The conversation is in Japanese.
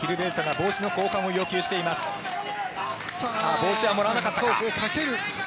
帽子はもらわなかったか。